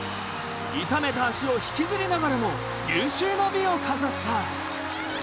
痛めた脚を引きずりながらも有終の美を飾った。